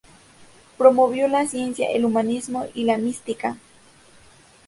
Promovió la ciencia, el humanismo y la mística.